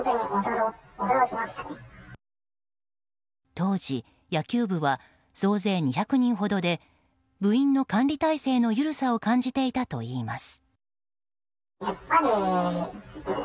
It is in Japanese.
当時、野球部は総勢２００人ほどで部員の管理体制の緩さを感じていたといいます。